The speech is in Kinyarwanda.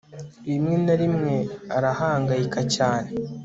rimwe na rimwe arahangayika cyane